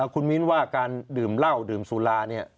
คุณมิ้นว่าการดื่มเหล้าดื่มสุราเนี่ย